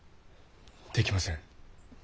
できません。